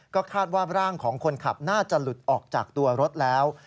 ก็คาดว่าร่างของคนขับน่าจะหลุดออกจากตัวรถแล้ว